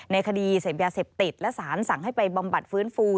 ในคดีเหยียบไตรป์เสพติดและสารสั่งให้ไปบาปฟื้นฟู